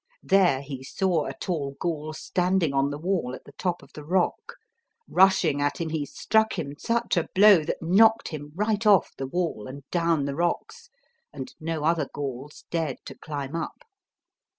There he saw a tall Gaul standing on the wall, at the top of the rock. Rushing at him, he struck him such a blow, that knocked him right off the wall, and down the rocks, and no other Gauls dared to climb up.